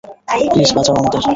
Please, বাঁচাও আমাদের!